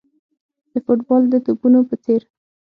د فوټبال د توپونو په څېر.